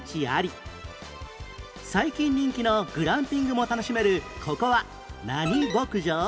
最近人気のグランピングも楽しめるここは何牧場？